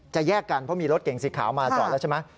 แยกกันเพราะมีรถเก่งสีขาวมาจอดแล้วใช่ไหม